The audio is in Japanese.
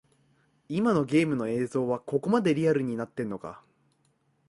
今のゲームの映像はここまでリアルになってんのか